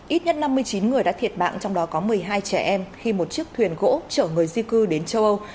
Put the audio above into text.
ít nhất năm mươi chín người đã thiệt mạng trong đó có một mươi hai trẻ em khi một chiếc thuyền gỗ chở người di cư đến châu âu